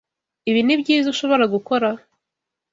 Ibi nibyiza ushobora gukora?